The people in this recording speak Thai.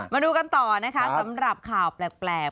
มาดูกันต่อนะคะสำหรับข่าวแปลก